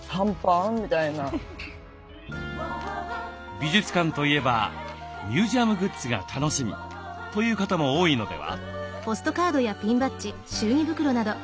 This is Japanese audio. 美術館といえばミュージアムグッズが楽しみという方も多いのでは？